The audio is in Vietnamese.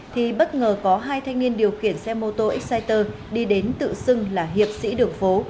thì bất ngờ có hai thanh niên điều khiển xe mô tô exciter đi đến tự xưng là hiệp sĩ đường phố